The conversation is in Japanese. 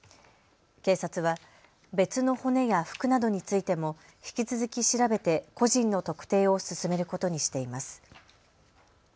警察は別の骨や服などについても引き続き調べて個人の特定を進めることにしています。